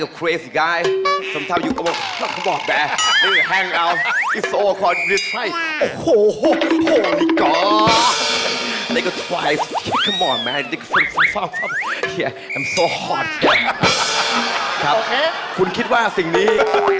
คุณคิดว่าสิ่งนี้